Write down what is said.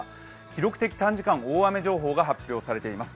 記録的短時間大雨情報が発表されています。